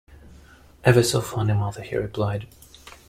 “Ever so funny, mother,” he replied.